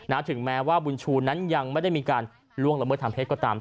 ถึงแม้ว่าบุญชูนั้นยังไม่ได้มีการล่วงละเมิดทางเพศก็ตาม